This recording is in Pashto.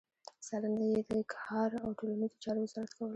څارنه يې د کار او ټولنيزو چارو وزارت کوله.